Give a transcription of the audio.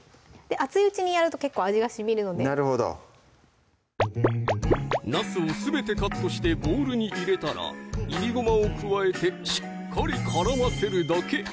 熱いうちにやると結構味がしみるのでなるほどなすをすべてカットしてボウルに入れたらいりごまを加えてしっかり絡ませるだけ！